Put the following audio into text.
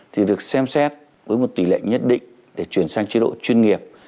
thì được xem xét với một tỷ lệ nhất định để chuyển sang chế độ chuyên nghiệp